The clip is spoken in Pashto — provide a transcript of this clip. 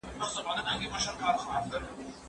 ولي نورو ته د حدودو نه ټاکل ذهن ستړی کوي؟